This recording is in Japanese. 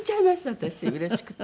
私うれしくて。